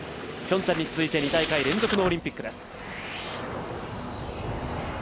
ピョンチャンに続いて２大会連続のオリンピックです。